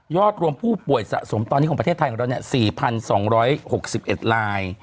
ยอดรวมผู้ป่วยสะสมตอนนี้ของประเทศไทย๔๒๖๑ราย